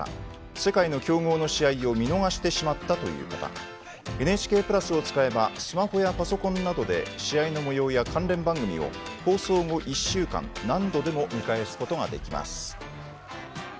世界の強豪の試合を見逃してしまったという方ＮＨＫプラスを使えばスマホやパソコンなどで試合のもようや関連番組を放送後１週間何度でも見返すことができます。